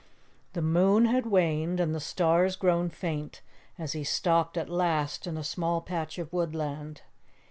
The moon had waned and the stars grown faint as he stopped at last in a small patch of woodland.